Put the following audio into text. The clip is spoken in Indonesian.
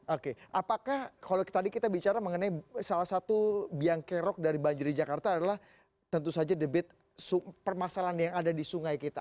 oke apakah kalau tadi kita bicara mengenai salah satu biang kerok dari banjir di jakarta adalah tentu saja debit permasalahan yang ada di sungai kita